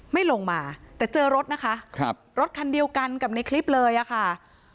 ไม่ลงมาแต่เจอรถนะคะครับรถคันเดียวกันกับในคลิปเลยอะค่ะ